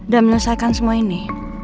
dan menyelesaikan semua ini